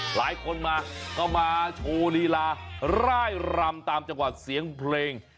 หลายคนมาก็มาโชว์ลีลาร่ายรำตามจังหวัดเสียงเพลง